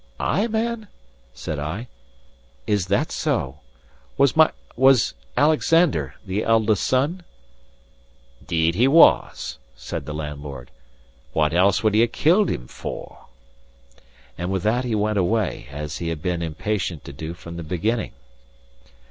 "Ay, man?" said I. "Is that so? Was my was Alexander the eldest son?" "'Deed was he," said the landlord. "What else would he have killed him for?" And with that he went away, as he had been impatient to do from the beginning.